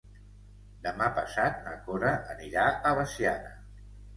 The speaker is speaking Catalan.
Demà passat na Cora anirà a Veciana.